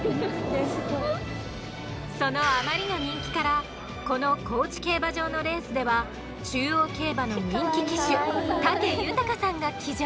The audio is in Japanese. そのあまりの人気からこの高知競馬場のレースでは中央競馬の人気騎手